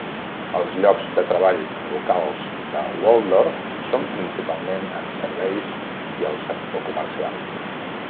Els llocs de treball locals de Waldorf són principalment en serveis i el sector comercial.